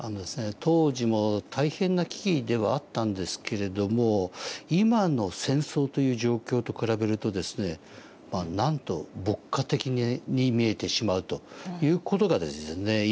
当時も大変な危機ではあったんですけれども今の戦争という状況と比べるとですねなんと牧歌的に見えてしまうという事がですね